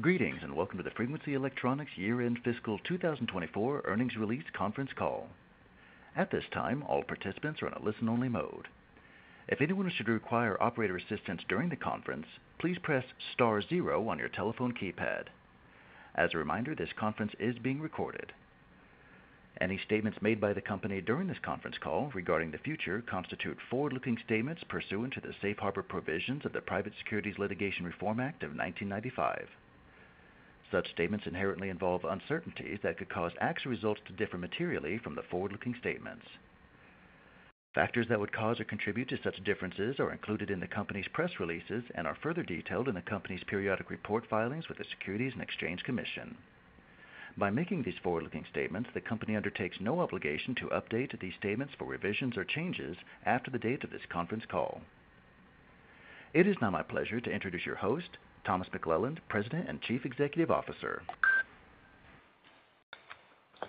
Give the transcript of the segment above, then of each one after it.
Greetings and welcome to the Frequency Electronics year-end fiscal 2024 earnings release conference call. At this time, all participants are in a listen-only mode. If anyone should require operator assistance during the conference, please press star zero on your telephone keypad. As a reminder, this conference is being recorded. Any statements made by the company during this conference call regarding the future constitute forward-looking statements pursuant to the Safe Harbor provisions of the Private Securities Litigation Reform Act of 1995. Such statements inherently involve uncertainties that could cause acts or results to differ materially from the forward-looking statements. Factors that would cause or contribute to such differences are included in the company's press releases and are further detailed in the company's periodic report filings with the Securities and Exchange Commission. By making these forward-looking statements, the company undertakes no obligation to update these statements for revisions or changes after the date of this conference call. It is now my pleasure to introduce your host, Thomas McClelland, President and Chief Executive Officer.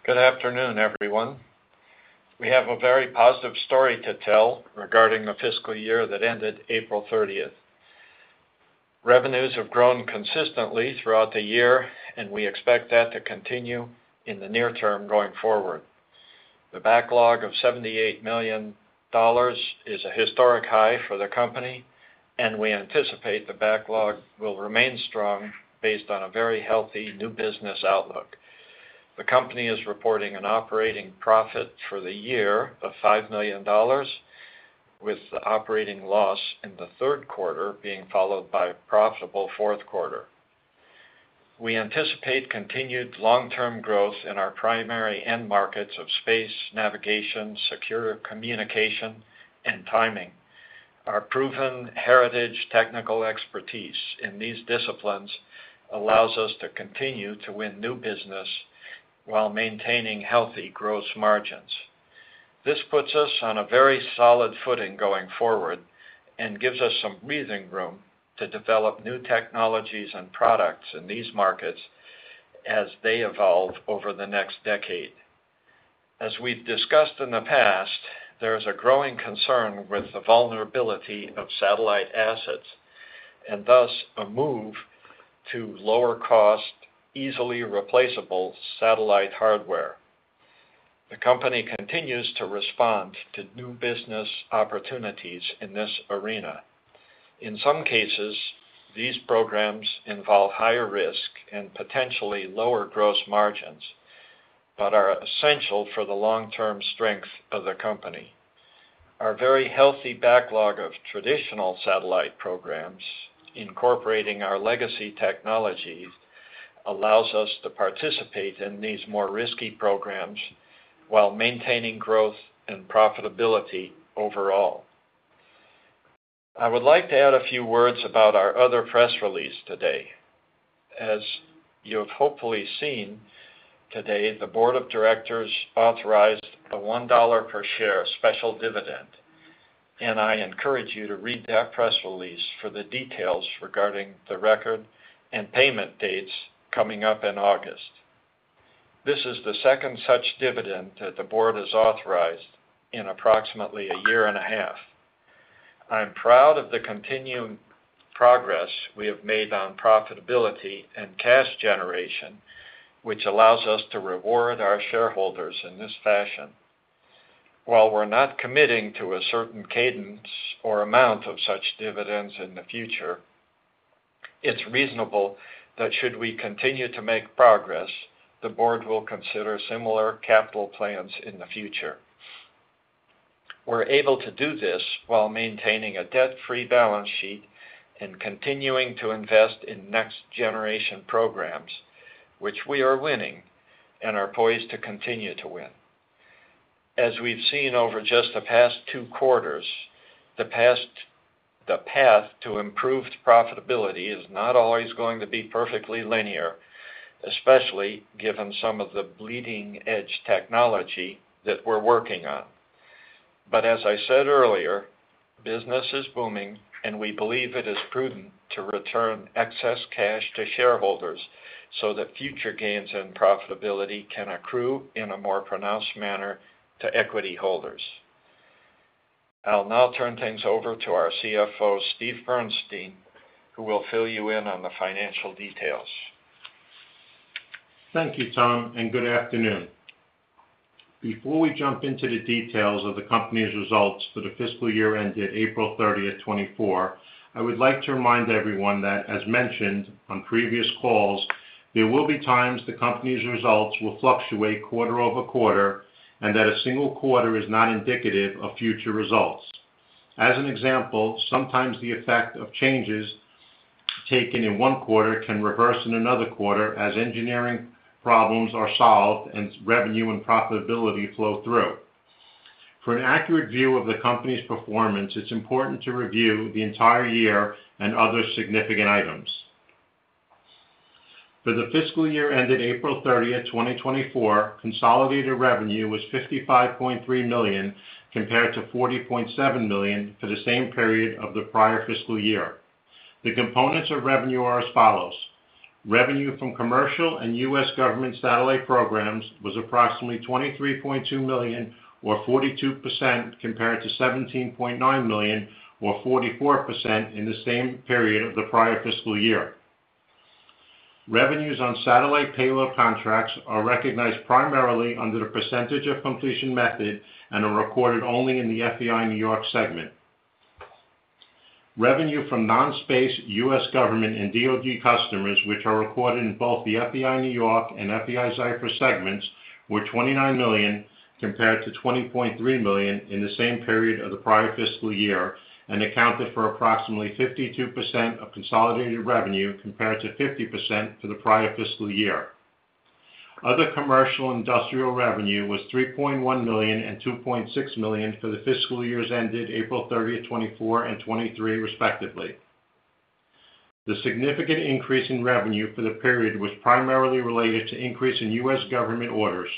Good afternoon, everyone. We have a very positive story to tell regarding the fiscal year that ended April 30th. Revenues have grown consistently throughout the year, and we expect that to continue in the near term going forward. The backlog of $78 million is a historic high for the company, and we anticipate the backlog will remain strong based on a very healthy new business outlook. The company is reporting an operating profit for the year of $5 million, with the operating loss in the third quarter being followed by a profitable fourth quarter. We anticipate continued long-term growth in our primary end markets of space, navigation, secure communication, and timing. Our proven heritage technical expertise in these disciplines allows us to continue to win new business while maintaining healthy gross margins. This puts us on a very solid footing going forward and gives us some breathing room to develop new technologies and products in these markets as they evolve over the next decade. As we've discussed in the past, there is a growing concern with the vulnerability of satellite assets and thus a move to lower-cost, easily replaceable satellite hardware. The company continues to respond to new business opportunities in this arena. In some cases, these programs involve higher risk and potentially lower gross margins but are essential for the long-term strength of the company. Our very healthy backlog of traditional satellite programs, incorporating our legacy technologies, allows us to participate in these more risky programs while maintaining growth and profitability overall. I would like to add a few words about our other press release today. As you have hopefully seen today, the board of directors authorized a $1 per share special dividend, and I encourage you to read that press release for the details regarding the record and payment dates coming up in August. This is the second such dividend that the board has authorized in approximately a year and a half. I'm proud of the continued progress we have made on profitability and cash generation, which allows us to reward our shareholders in this fashion. While we're not committing to a certain cadence or amount of such dividends in the future, it's reasonable that should we continue to make progress, the board will consider similar capital plans in the future. We're able to do this while maintaining a debt-free balance sheet and continuing to invest in next-generation programs, which we are winning and are poised to continue to win. As we've seen over just the past two quarters, the path to improved profitability is not always going to be perfectly linear, especially given some of the bleeding-edge technology that we're working on. But as I said earlier, business is booming, and we believe it is prudent to return excess cash to shareholders so that future gains in profitability can accrue in a more pronounced manner to equity holders. I'll now turn things over to our CFO, Steven Bernstein, who will fill you in on the financial details. Thank you, Tom, and good afternoon. Before we jump into the details of the company's results for the fiscal year ended April 30th, 2024, I would like to remind everyone that, as mentioned on previous calls, there will be times the company's results will fluctuate quarter-over-quarter and that a single quarter is not indicative of future results. As an example, sometimes the effect of changes taken in one quarter can reverse in another quarter as engineering problems are solved and revenue and profitability flow through. For an accurate view of the company's performance, it's important to review the entire year and other significant items. For the fiscal year ended April 30th, 2024, consolidated revenue was $55.3 million compared to $40.7 million for the same period of the prior fiscal year. The components of revenue are as follows. Revenue from commercial and U.S. government satellite programs was approximately $23.2 million, or 42%, compared to $17.9 million, or 44%, in the same period of the prior fiscal year. Revenues on satellite payload contracts are recognized primarily under the percentage of completion method and are recorded only in the FEI-New York segment. Revenue from non-space U.S. government and DoD customers, which are recorded in both the FEI-New York and FEI-Zyfer segments, were $29 million compared to $20.3 million in the same period of the prior fiscal year and accounted for approximately 52% of consolidated revenue compared to 50% for the prior fiscal year. Other commercial industrial revenue was $3.1 million and $2.6 million for the fiscal years ended April 30th, 2024, and 2023, respectively. The significant increase in revenue for the period was primarily related to increase in U.S. government orders.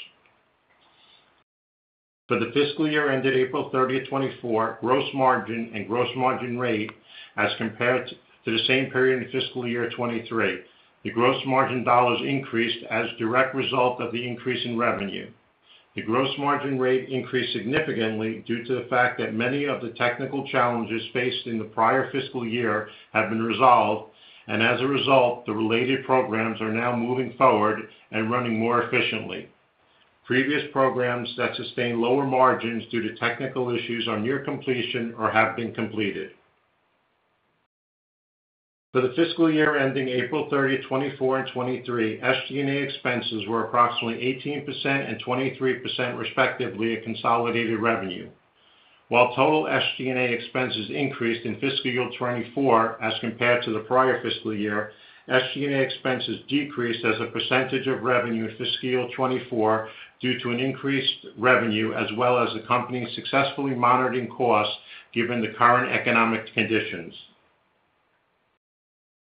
For the fiscal year ended April 30th, 2024, gross margin and gross margin rate as compared to the same period in fiscal year 2023, the gross margin dollars increased as a direct result of the increase in revenue. The gross margin rate increased significantly due to the fact that many of the technical challenges faced in the prior fiscal year have been resolved, and as a result, the related programs are now moving forward and running more efficiently. Previous programs that sustained lower margins due to technical issues are near completion or have been completed. For the fiscal year ending April 30th, 2024, and 2023, SG&A expenses were approximately 18% and 23%, respectively, of consolidated revenue. While total SG&A expenses increased in fiscal year 2024 as compared to the prior fiscal year, SG&A expenses decreased as a percentage of revenue in fiscal year 2024 due to an increased revenue as well as the company's successfully monitoring costs given the current economic conditions.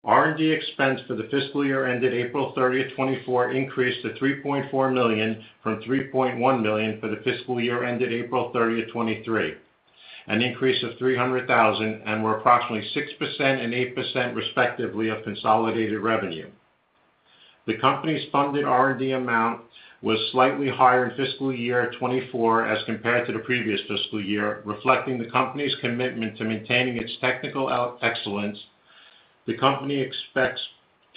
R&D expense for the fiscal year ended April 30th, 2024, increased to $3.4 million from $3.1 million for the fiscal year ended April 30th, 2023, an increase of $300,000, and were approximately 6% and 8%, respectively, of consolidated revenue. The company's funded R&D amount was slightly higher in fiscal year 2024 as compared to the previous fiscal year, reflecting the company's commitment to maintaining its technical excellence. The company expects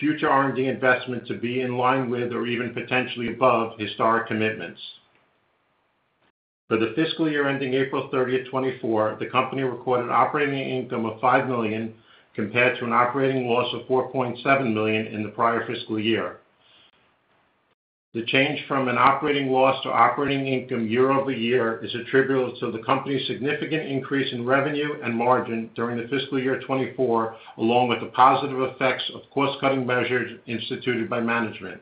future R&D investment to be in line with or even potentially above historic commitments. For the fiscal year ending April 30th, 2024, the company recorded operating income of $5 million compared to an operating loss of $4.7 million in the prior fiscal year. The change from an operating loss to operating income year-over-year is attributable to the company's significant increase in revenue and margin during the fiscal year 2024, along with the positive effects of cost-cutting measures instituted by management.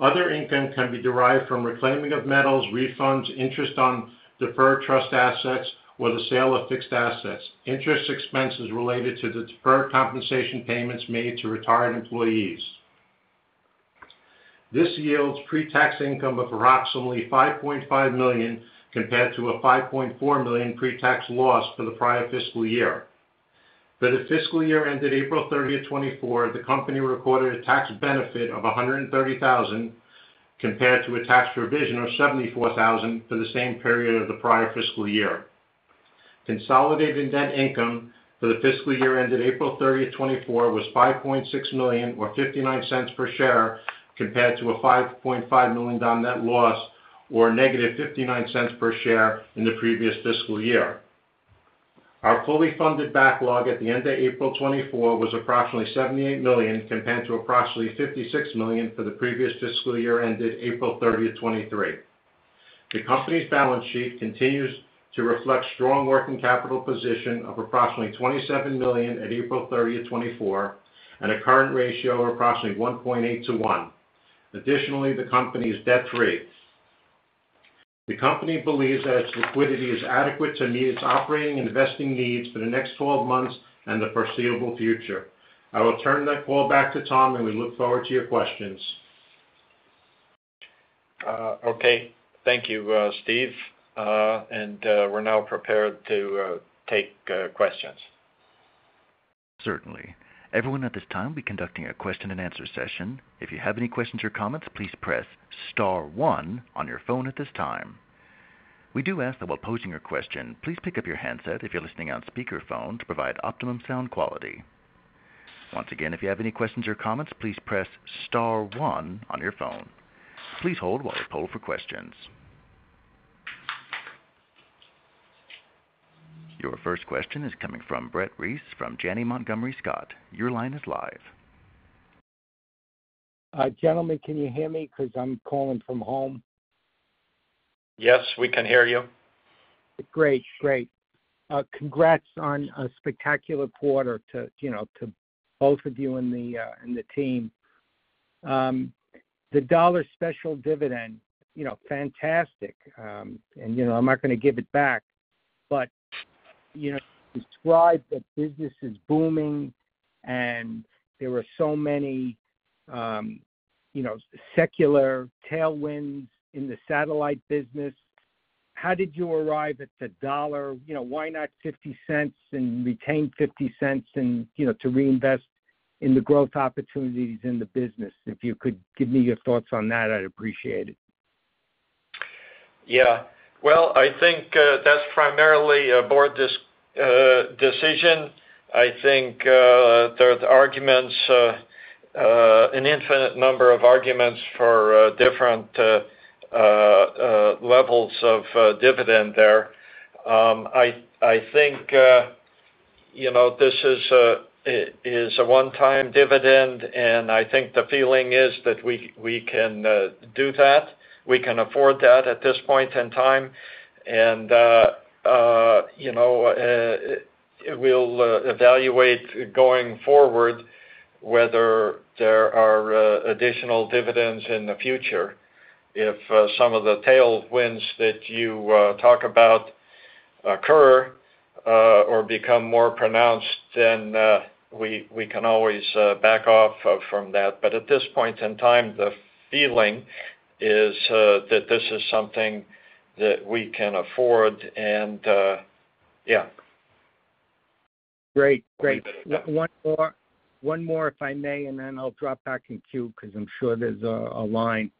Other income can be derived from reclaiming of metals, refunds, interest on deferred trust assets, or the sale of fixed assets, interest expenses related to the deferred compensation payments made to retired employees. This yields pre-tax income of approximately $5.5 million compared to a $5.4 million pre-tax loss for the prior fiscal year. For the fiscal year ended April 30th, 2024, the company recorded a tax benefit of $130,000 compared to a tax provision of $74,000 for the same period of the prior fiscal year. Consolidated net income for the fiscal year ended April 30th, 2024, was $5.6 million, or $0.59 per share, compared to a $5.5 million net loss, or -$0.59 per share in the previous fiscal year. Our fully funded backlog at the end of April 2024 was approximately $78 million compared to approximately $56 million for the previous fiscal year ended April 30th, 2023. The company's balance sheet continues to reflect strong working capital position of approximately $27 million at April 30th, 2024, and a current ratio of approximately 1.8 to 1. Additionally, the company is debt free. The company believes that its liquidity is adequate to meet its operating and investing needs for the next 12 months and the foreseeable future. I will turn that call back to Tom, and we look forward to your questions. Okay. Thank you, Steve. We're now prepared to take questions. Certainly. Everyone at this time, we'll be conducting a question-and-answer session. If you have any questions or comments, please press star one on your phone at this time. We do ask that while posing your question, please pick up your handset if you're listening on speakerphone to provide optimum sound quality. Once again, if you have any questions or comments, please press star one on your phone. Please hold while we poll for questions. Your first question is coming from Brett Reiss from Janney Montgomery Scott. Your line is live. Gentlemen, can you hear me because I'm calling from home? Yes, we can hear you. Great, great. Congrats on a spectacular quarter to both of you and the team. The $1 special dividend, fantastic. And I'm not going to give it back, but you described that business is booming, and there were so many secular tailwinds in the satellite business. How did you arrive at the $1? Why not $0.50 and retain $0.50 to reinvest in the growth opportunities in the business? If you could give me your thoughts on that, I'd appreciate it. Yeah. Well, I think that's primarily a board decision. I think there are arguments, an infinite number of arguments for different levels of dividend there. I think this is a one-time dividend, and I think the feeling is that we can do that. We can afford that at this point in time. And we'll evaluate going forward whether there are additional dividends in the future. If some of the tailwinds that you talk about occur or become more pronounced, then we can always back off from that. But at this point in time, the feeling is that this is something that we can afford. And yeah. Great, great. One more, if I may, and then I'll drop back in queue because I'm sure there's a line.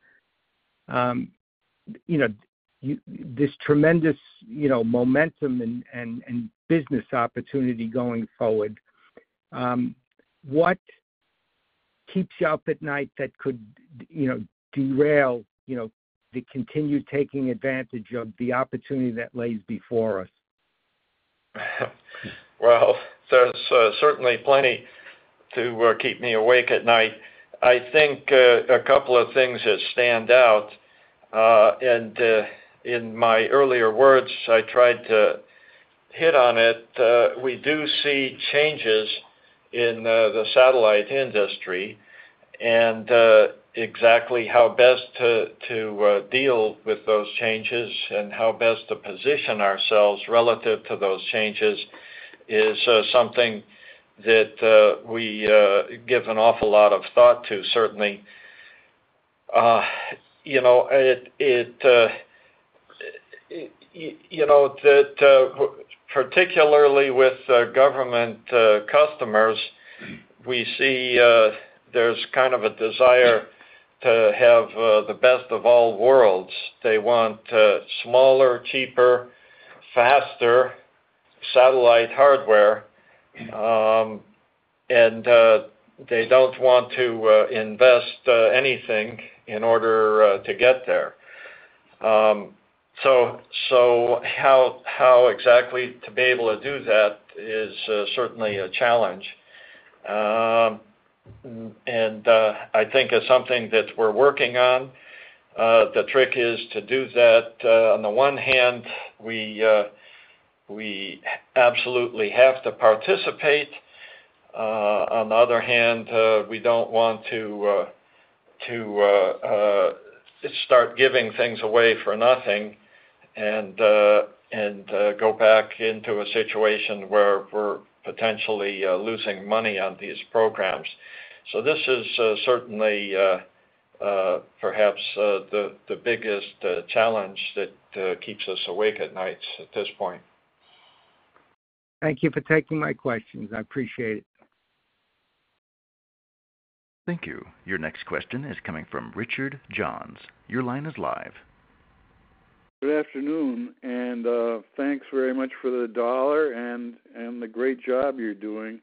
This tremendous momentum and business opportunity going forward, what keeps you up at night that could derail the continued taking advantage of the opportunity that lays before us? Well, there's certainly plenty to keep me awake at night. I think a couple of things that stand out. In my earlier words, I tried to hit on it. We do see changes in the satellite industry. Exactly how best to deal with those changes and how best to position ourselves relative to those changes is something that we give an awful lot of thought to, certainly. Particularly with government customers, we see there's kind of a desire to have the best of all worlds. They want smaller, cheaper, faster satellite hardware, and they don't want to invest anything in order to get there. How exactly to be able to do that is certainly a challenge. I think it's something that we're working on. The trick is to do that. On the one hand, we absolutely have to participate. On the other hand, we don't want to start giving things away for nothing and go back into a situation where we're potentially losing money on these programs. So this is certainly perhaps the biggest challenge that keeps us awake at nights at this point. Thank you for taking my questions. I appreciate it. Thank you. Your next question is coming from Richard Johns. Your line is live. Good afternoon, and thanks very much for the call and the great job you're doing.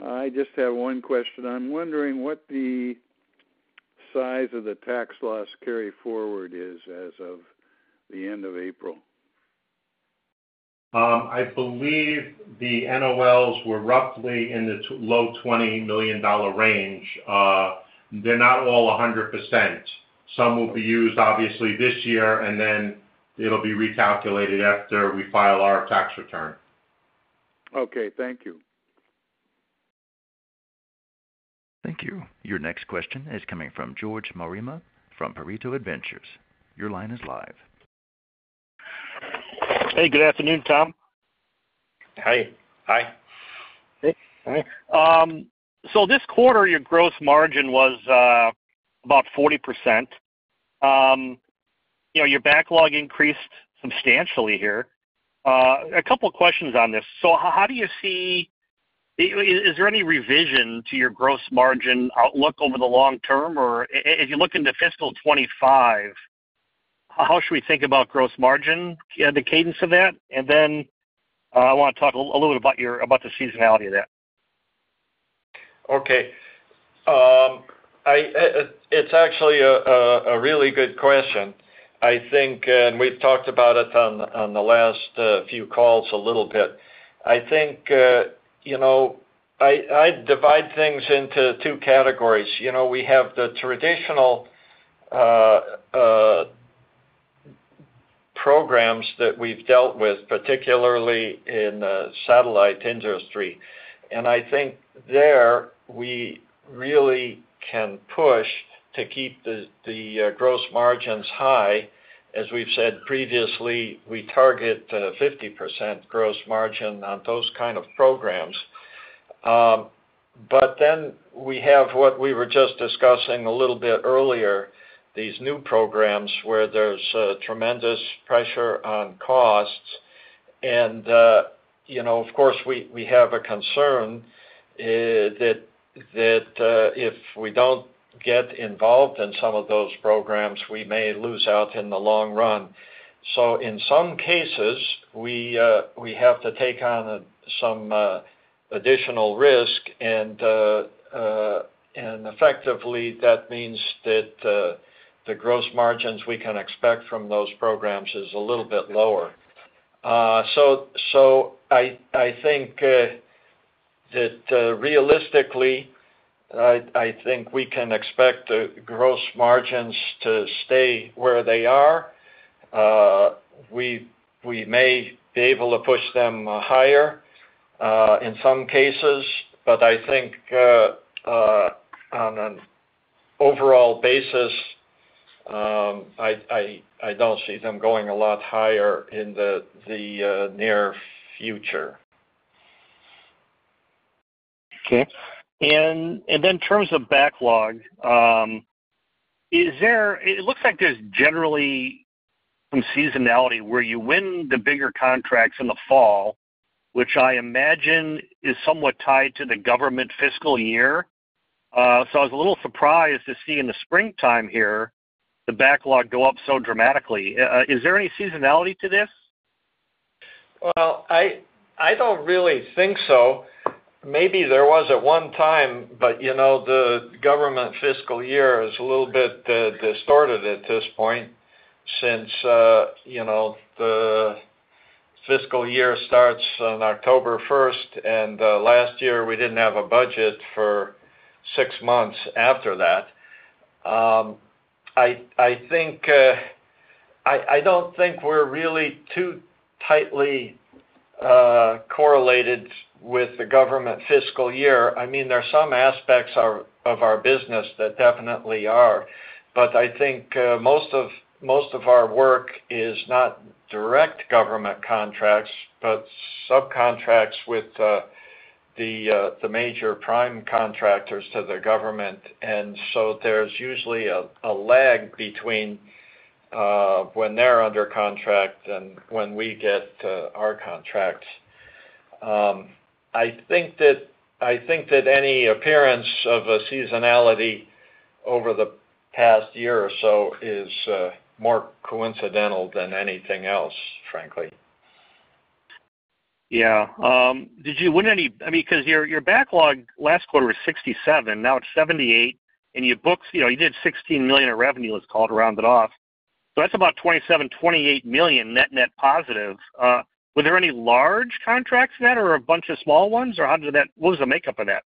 I just have one question. I'm wondering what the size of the tax loss carry forward is as of the end of April. I believe the NOLs were roughly in the low $20 million range. They're not all 100%. Some will be used, obviously, this year, and then it'll be recalculated after we file our tax return. Okay. Thank you. Thank you. Your next question is coming from George Marema from Pareto Ventures. Your line is live. Hey, good afternoon, Tom. Hey. Hi. Hey. So this quarter, your gross margin was about 40%. Your backlog increased substantially here. A couple of questions on this. So how do you see is there any revision to your gross margin outlook over the long term? Or if you look into fiscal 2025, how should we think about gross margin, the cadence of that? And then I want to talk a little bit about the seasonality of that. Okay. It's actually a really good question. I think, and we've talked about it on the last few calls a little bit. I think I divide things into two categories. We have the traditional programs that we've dealt with, particularly in the satellite industry. And I think there we really can push to keep the gross margins high. As we've said previously, we target 50% gross margin on those kind of programs. But then we have what we were just discussing a little bit earlier, these new programs where there's tremendous pressure on costs. And of course, we have a concern that if we don't get involved in some of those programs, we may lose out in the long run. So in some cases, we have to take on some additional risk. Effectively, that means that the gross margins we can expect from those programs is a little bit lower. I think that realistically, I think we can expect the gross margins to stay where they are. We may be able to push them higher in some cases. I think on an overall basis, I don't see them going a lot higher in the near future. Okay. And then in terms of backlog, it looks like there's generally some seasonality where you win the bigger contracts in the fall, which I imagine is somewhat tied to the government fiscal year. So I was a little surprised to see in the springtime here the backlog go up so dramatically. Is there any seasonality to this? Well, I don't really think so. Maybe there was at one time, but the government fiscal year is a little bit distorted at this point since the fiscal year starts on October 1st. Last year, we didn't have a budget for six months after that. I don't think we're really too tightly correlated with the government fiscal year. I mean, there are some aspects of our business that definitely are. I think most of our work is not direct government contracts, but subcontracts with the major prime contractors to the government. So there's usually a lag between when they're under contract and when we get our contracts. I think that any appearance of a seasonality over the past year or so is more coincidental than anything else, frankly. Yeah. Did you win any? I mean, because your backlog last quarter was $67 million, now it's $78 million. And you did $16 million of revenue, let's call it, rounded off. So that's about $27 million-$28 million net-net positive. Were there any large contracts in that or a bunch of small ones? Or what was the makeup of that?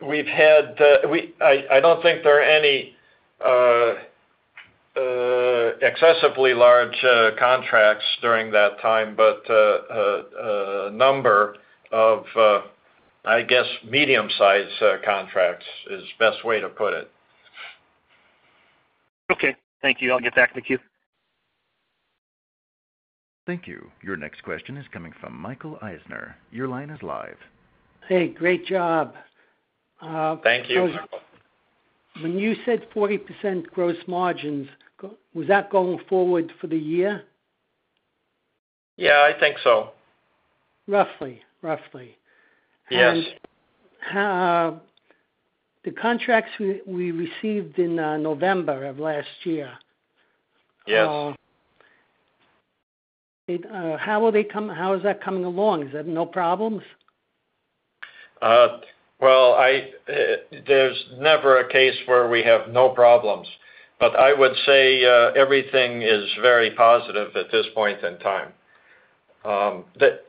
We've had, I don't think there are any excessively large contracts during that time. But a number of, I guess, medium-sized contracts is the best way to put it. Okay. Thank you. I'll get back in the queue. Thank you. Your next question is coming from Michael Eisner. Your line is live. Hey, great job. Thank you. When you said 40% gross margins, was that going forward for the year? Yeah, I think so. Roughly, roughly. Yes. The contracts we received in November of last year. Yes. How is that coming along? Is that no problems? Well, there's never a case where we have no problems. But I would say everything is very positive at this point in time.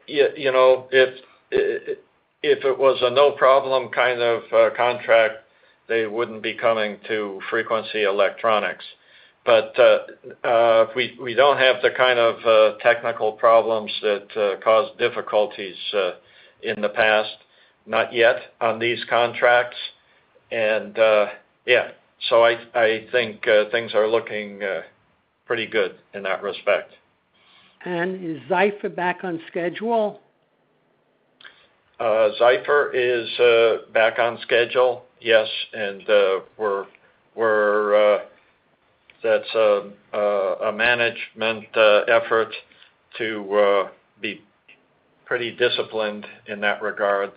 If it was a no-problem kind of contract, they wouldn't be coming to Frequency Electronics. But we don't have the kind of technical problems that caused difficulties in the past, not yet, on these contracts. And yeah, so I think things are looking pretty good in that respect. Is Zyfer back on schedule? Zyfer is back on schedule, yes. That's a management effort to be pretty disciplined in that regard.